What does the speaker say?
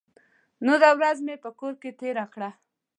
نوره ورځ مې په کور کې تېره کړه.